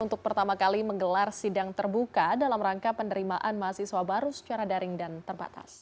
untuk pertama kali menggelar sidang terbuka dalam rangka penerimaan mahasiswa baru secara daring dan terbatas